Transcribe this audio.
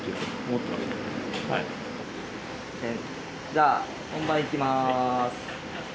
じゃあ、本番いきます。